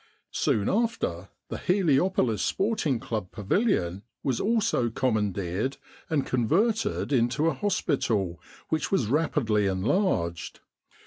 Soon after, the Helio polis Sporting Club pavilion was also commandeered and converted into a hospital which was rapidly enlarged.